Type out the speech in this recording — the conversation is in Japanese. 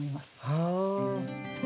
はあ。